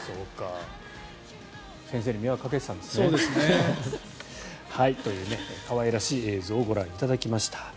先生に迷惑かけてたんですね。という可愛らしい映像をご覧いただきました。